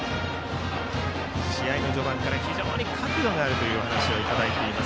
試合の序盤から非常に角度があるというお話をいただいています